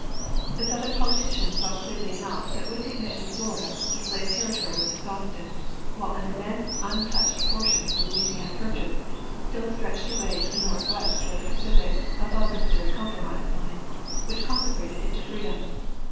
The Southern politicians saw clearly enough that with the admission of Florida the slave territory was exhausted, while an immense untouched portion of the Louisiana purchase still stretched away to the north west towards the Pacific above the Missouri Compromise line, which consecrated it to freedom.